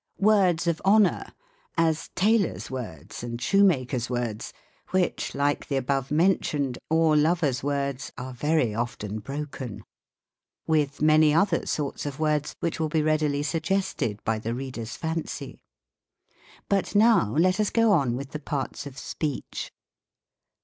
Words of honor ; as, tailors' words and shoemakers' words ; which, like the above mentioned, or lovers' words, are very often broken. With many other sorts of words, which will be readily suggested by the reader's fancy. But now let us go on with the parts of speech.